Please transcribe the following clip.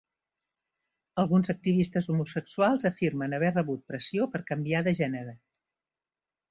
Alguns activistes homosexuals afirmen haver rebut pressió per a canviar de gènere.